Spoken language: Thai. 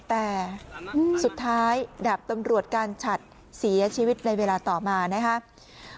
แต่สุดท้ายดาบตำรวจการฉัดเสียชีวิตในเวลาต่อมานะครับ